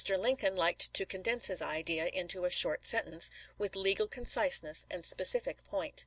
Lincoln liked to con dense his idea into a short sentence, with legal con ciseness and specific point.